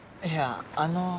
いやあの。